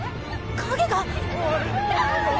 影が！